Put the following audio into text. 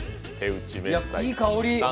いい香り。